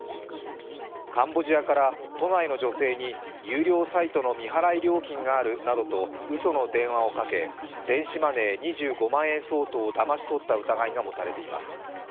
カンボジアから都内の女性に有料サイトの未払い料金があるなどとうその電話をかけ電子マネー２５万円相当をだまし取った疑いが持たれています。